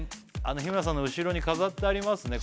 日村さんの後ろに飾ってありますね